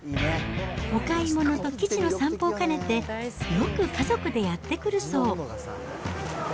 お買い物とキチの散歩を兼ねて、よく家族でやって来るそう。